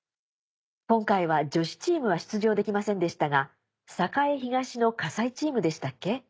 今回は女子チームは出場できませんでしたが栄東の笠井チームでしたっけ？